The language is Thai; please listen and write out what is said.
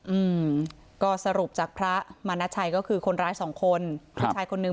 อืมก็สรุปจากพระมณชัยก็คือคนร้ายสองคนผู้ชายคนนึง